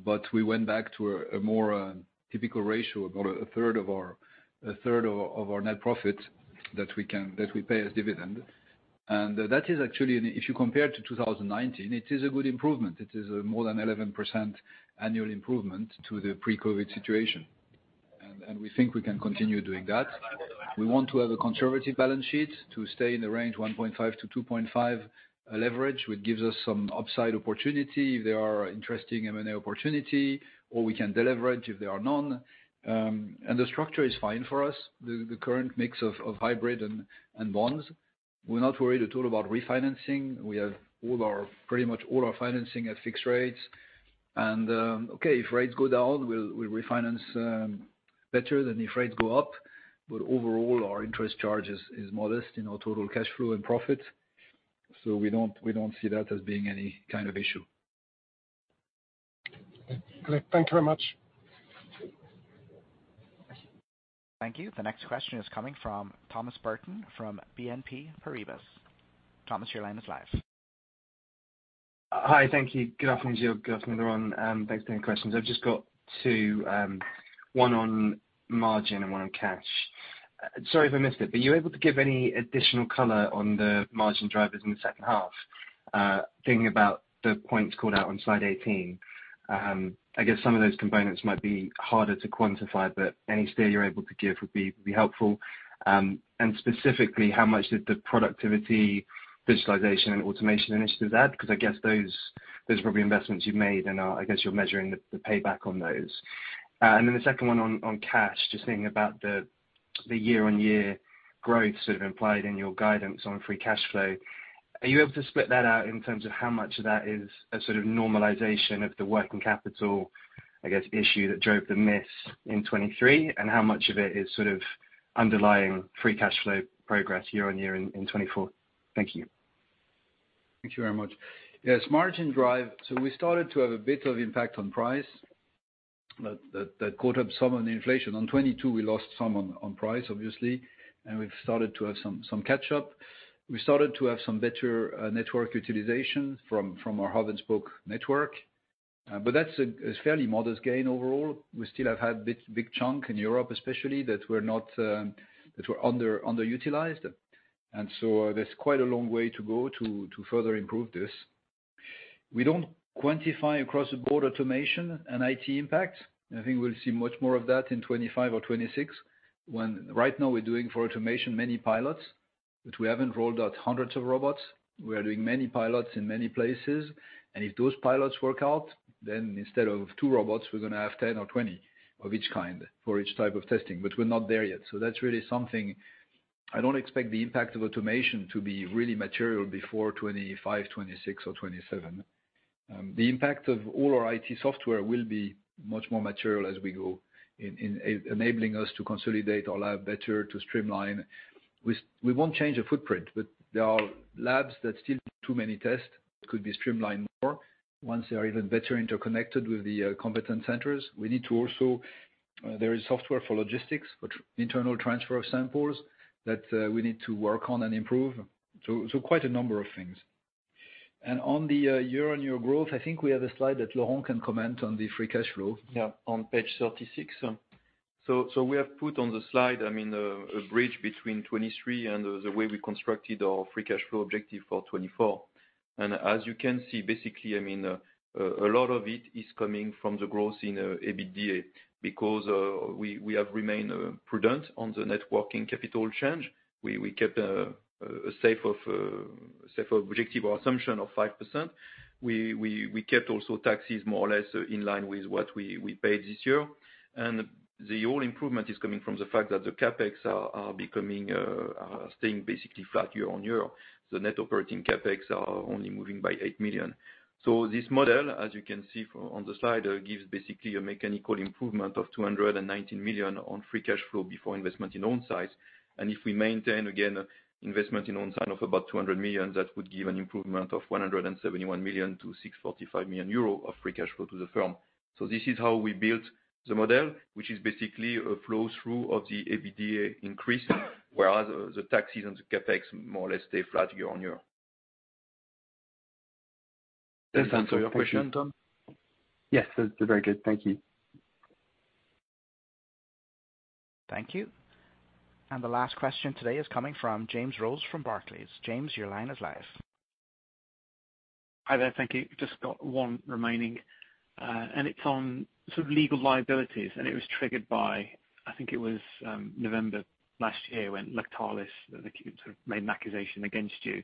But we went back to a more typical ratio, about a third of our net profit that we pay as dividend. And that is actually, if you compare to 2019, it is a good improvement. It is more than 11% annual improvement to the pre-COVID situation. And we think we can continue doing that. We want to have a conservative balance sheet to stay in the range 1.5-2.5 leverage, which gives us some upside opportunity if there are interesting M&A opportunities, or we can deleverage if there are none. The structure is fine for us, the current mix of hybrid and bonds. We're not worried at all about refinancing. We have pretty much all our financing at fixed rates. Okay, if rates go down, we'll refinance better than if rates go up. But overall, our interest charge is modest in our total cash flow and profit. So we don't see that as being any kind of issue. Okay. Thank you very much. Thank you. The next question is coming from Thomas Burton from BNP Paribas. Thomas, your line is live. Hi. Thank you. Good afternoon, Gilles. Good afternoon, everyone. Thanks for taking questions. I've just got two: one on margin and one on cash. Sorry if I missed it, but were you able to give any additional color on the margin drivers in the second half, thinking about the points called out on slide 18. I guess some of those components might be harder to quantify, but any steer you're able to give would be helpful. And specifically, how much did the productivity digitalization and automation initiatives add? Because I guess those are probably investments you've made, and I guess you're measuring the payback on those. And then the second one on cash, just thinking about the year-on-year growth sort of implied in your guidance on free cash flow, are you able to split that out in terms of how much of that is a sort of normalisation of the working capital, I guess, issue that drove the miss in 2023, and how much of it is sort of underlying free cash flow progress year-on-year in 2024? Thank you. Thank you very much. Yes. Margin drive, so we started to have a bit of impact on price that caught up some on inflation. On 2022, we lost some on price, obviously, and we've started to have some catch-up. We started to have some better network utilization from our hub-and-spoke network. But that's a fairly modest gain overall. We still have had a big chunk in Europe, especially, that were underutilized. And so there's quite a long way to go to further improve this. We don't quantify across-the-board automation and IT impact. I think we'll see much more of that in 2025 or 2026. Right now, we're doing for automation many pilots, but we haven't rolled out hundreds of robots. We are doing many pilots in many places. If those pilots work out, then instead of two robots, we're going to have 10 or 20 of each kind for each type of testing. We're not there yet. That's really something I don't expect the impact of automation to be really material before 2025, 2026, or 2027. The impact of all our IT software will be much more material as we go in enabling us to consolidate our lab better, to streamline. We won't change the footprint, but there are labs that still do too many tests that could be streamlined more once they are even better interconnected with the Competence Centres. We need to also, there is software for logistics, internal transfer of samples that we need to work on and improve. Quite a number of things. On the year-on-year growth, I think we have a slide that Laurent can comment on the free cash flow. Yeah. On page 36. So we have put on the slide, I mean, a bridge between 2023 and the way we constructed our free cash flow objective for 2024. And as you can see, basically, I mean, a lot of it is coming from the growth in EBITDA because we have remained prudent on the net working capital change. We kept a safe objective or assumption of 5%. We kept also taxes more or less in line with what we paid this year. And the whole improvement is coming from the fact that the CapEx are staying basically flat year-on-year. The net operating CapEx are only moving by 8 million. So this model, as you can see on the slide, gives basically a mechanical improvement of 219 million on free cash flow before investment in own sites. And if we maintain, again, investment in own sites of about 200 million, that would give an improvement of 171 million to 645 million euro of free cash flow to the firm. So this is how we built the model, which is basically a flow-through of the EBITDA increase whereas the taxes and the CapEx more or less stay flat year-on-year. Does that answer your question, Tom? Yes. That's very good. Thank you. Thank you. The last question today is coming from James Rose from Barclays. James, your line is live. Hi there. Thank you. Just got one remaining. It's on sort of legal liabilities. It was triggered by I think it was November last year when Lactalis sort of made an accusation against you.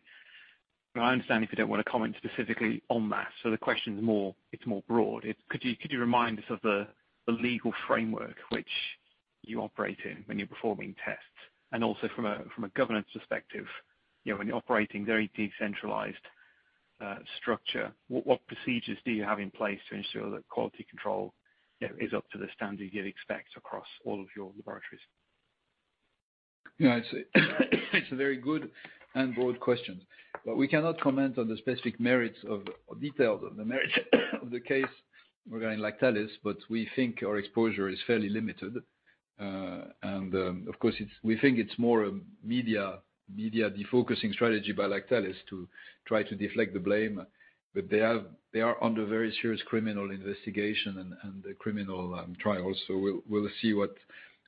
But I understand if you don't want to comment specifically on that. So the question's more it's more broad. Could you remind us of the legal framework which you operate in when you're performing tests? And also from a governance perspective, when you're operating very decentralized structure, what procedures do you have in place to ensure that quality control is up to the standard you'd expect across all of your laboratories? Yeah. It's a very good and broad question. But we cannot comment on the specific merits of details of the merits of the case regarding Lactalis but we think our exposure is fairly limited. And of course, we think it's more a media defocusing strategy by Lactalis to try to deflect the blame. But they are under very serious criminal investigation and criminal trials. So we'll see what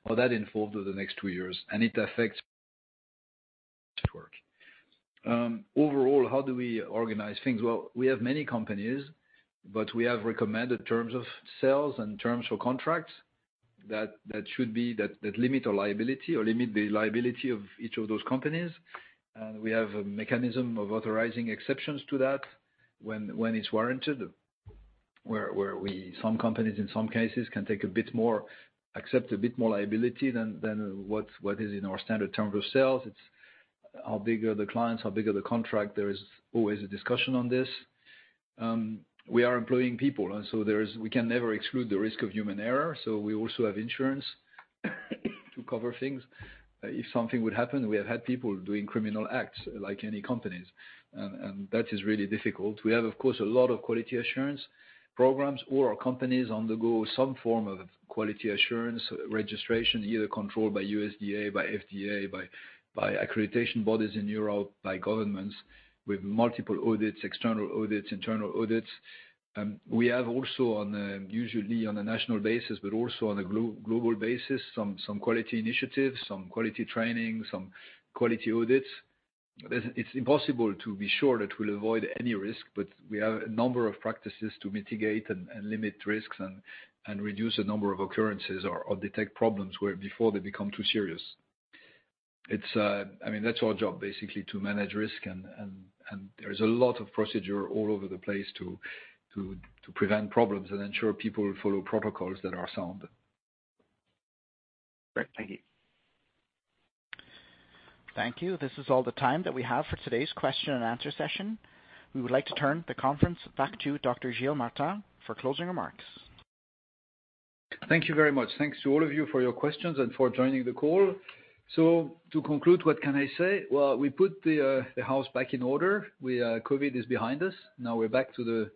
all that involves over the next two years. And it affects our network. Overall, how do we organize things? Well, we have many companies, but we have recommended terms of sales and terms for contracts that limit our liability or limit the liability of each of those companies. And we have a mechanism of authorizing exceptions to that when it's warranted where some companies, in some cases, can accept a bit more liability than what is in our standard terms of sales. It's how big the clients, how big the contract. There is always a discussion on this. We are employing people. So we can never exclude the risk of human error. So we also have insurance to cover things. If something would happen, we have had people doing criminal acts like any companies. And that is really difficult. We have, of course, a lot of quality assurance programs. All our companies undergo some form of quality assurance registration, either controlled by USDA, by FDA, by accreditation bodies in Europe, by governments with multiple audits, external audits, internal audits. We have also, usually on a national basis but also on a global basis, some quality initiatives, some quality training, some quality audits. It's impossible to be sure that we'll avoid any risk, but we have a number of practices to mitigate and limit risks and reduce the number of occurrences or detect problems where before they become too serious. I mean, that's our job, basically, to manage risk. There is a lot of procedure all over the place to prevent problems and ensure people follow protocols that are sound. Great. Thank you. Thank you. This is all the time that we have for today's question and answer session. We would like to turn the conference back to Dr. Gilles Martin for closing remarks. Thank you very much. Thanks to all of you for your questions and for joining the call. So to conclude, what can I say? Well, we put the house back in order. COVID is behind us. Now we're back to the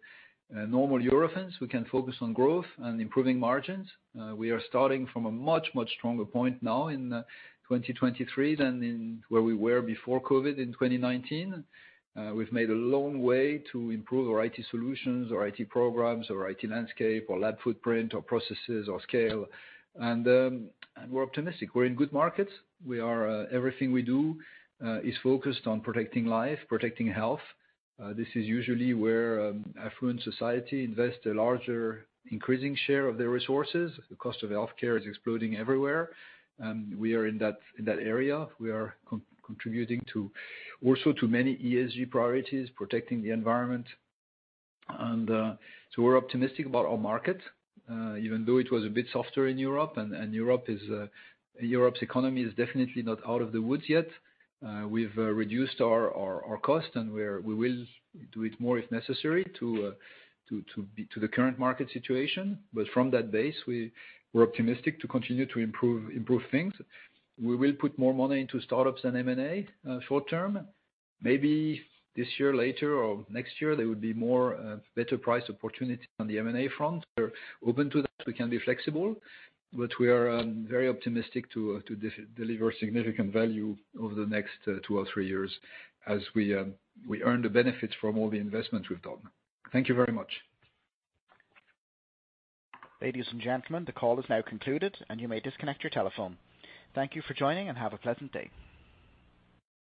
normal Eurofins. We can focus on growth and improving margins. We are starting from a much, much stronger point now in 2023 than where we were before COVID in 2019. We've made a long way to improve our IT solutions, our IT programs, our IT landscape, our lab footprint, our processes, our scale. And we're optimistic. We're in good markets. Everything we do is focused on protecting life, protecting health. This is usually where affluent society invests a larger, increasing share of their resources. The cost of healthcare is exploding everywhere. We are in that area. We are contributing also to many ESG priorities, protecting the environment. And so we're optimistic about our market even though it was a bit softer in Europe. Europe's economy is definitely not out of the woods yet. We've reduced our cost, and we will do it more if necessary to the current market situation. But from that base, we're optimistic to continue to improve things. We will put more money into startups and M&A short term. Maybe this year, later, or next year, there would be better price opportunity on the M&A front. We're open to that. We can be flexible. But we are very optimistic to deliver significant value over the next two or three years as we earn the benefits from all the investments we've done. Thank you very much. Ladies and gentlemen, the call is now concluded, and you may disconnect your telephone. Thank you for joining, and have a pleasant day.